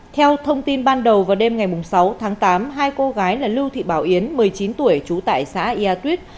theo thông tin ban đầu vào đêm ngày sáu tháng tám hai cô gái là lưu thị bảo yến một mươi chín tuổi trú tại xã yà tuyết